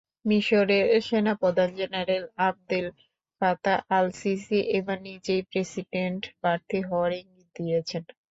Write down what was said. মিসরের সেনাপ্রধান general Abdel Fattah al-Sisi এবার নিজেই প্রেসিডেন্ট প্রার্থী হওয়ার ইঙ্গিত দিয়েছেন।